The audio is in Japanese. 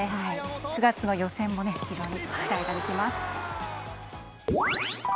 ９月の予選も非常に期待ができます。